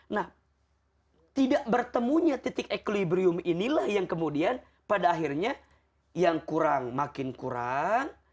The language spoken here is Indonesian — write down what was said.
nah tidak bertemunya titik equilibrium inilah yang kemudian pada akhirnya yang kurang makin kurang